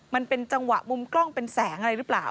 มันเป็นจังหวะมุมกล้องเป็นแสงอะไรหรือเปล่า